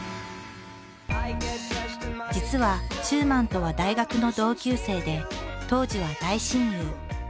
実は中馬とは大学の同級生で当時は大親友。